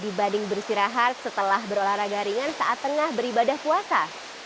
ibadah bersirahat setelah berolahraga ringan saat tengah beribadah puasa